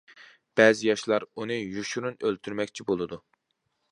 بەزى ياشلار ئۇنى يوشۇرۇن ئۆلتۈرمەكچى بولىدۇ.